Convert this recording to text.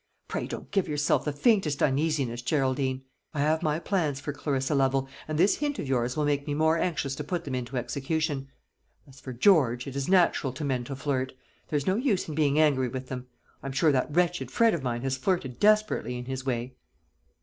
Pray don't give yourself the faintest uneasiness, Geraldine. I have my plans for Clarissa Lovel, and this hint of yours will make me more anxious to put them into execution. As for George, it is natural to men to flirt; there's no use in being angry with them. I'm sure that wretched Fred of mine has flirted desperately, in his way."